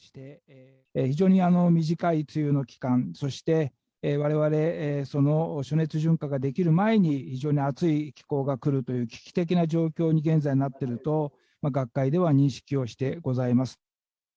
非常に短い梅雨の期間、そして、われわれ暑熱順化ができる前に、非常に暑い気候が来るという危機的な状況に現在なってると、学会では認識をしてございます。